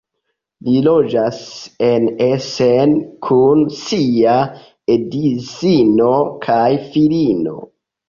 Li loĝas en Essen kun sia edzino kaj filino.